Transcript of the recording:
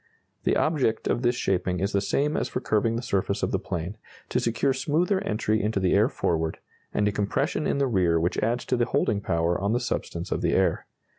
The object of this shaping is the same as for curving the surface of the plane to secure smoother entry into the air forward, and a compression in the rear which adds to the holding power on the substance of the air.